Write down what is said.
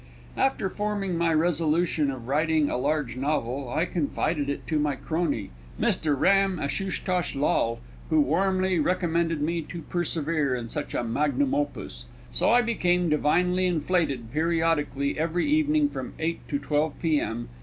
After forming my resolution of writing a large novel, I confided it to my crony, Mr Ram Ashootosh Lall, who warmly recommended me to persevere in such a magnum opus. So I became divinely inflated periodically every evening from 8 to 12 P.M.